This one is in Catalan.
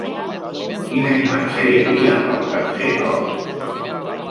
Quina imatge hi havia al tercer cós?